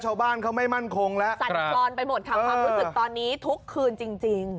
ชาวบ้านเขาไม่มั่นคงแล้วสั่นคลอนไปหมดค่ะความรู้สึกตอนนี้ทุกคืนจริง